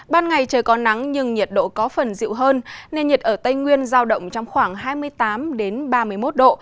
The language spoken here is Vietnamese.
ban ngày trời có nắng nhưng nhiệt độ có phần dịu hơn nền nhiệt ở tây nguyên giao động trong khoảng hai mươi tám ba mươi một độ